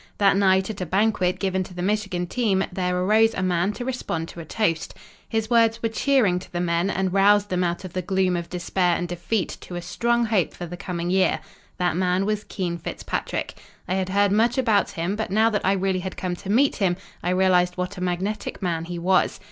That night at a banquet given to the Michigan team, there arose a man to respond to a toast. His words were cheering to the men and roused them out of the gloom of despair and defeat to a strong hope for the coming year. That man was Keene Fitzpatrick. I had heard much about him, but now that I really had come to meet him I realized what a magnetic man he was.